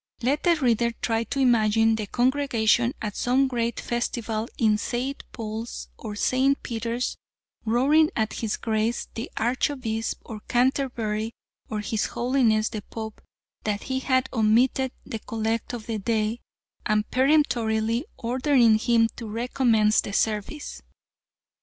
Let the reader try and imagine the congregation at some great festival in St. Paul's or St. Peter's roaring at his Grace the Archbishop of Canterbury, or his Holiness the Pope that he had omitted the collect for the day, and peremptorily ordering him to recommence the service!